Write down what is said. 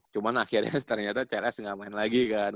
cuman akhirnya ternyata cls nggak main lagi kan